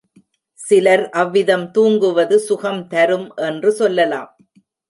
சிலர் அவ்விதம் தூங்குவது சுகம் தரும் என்று சொல்லலாம்.